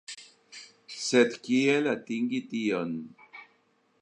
Sed kiel atingi tion?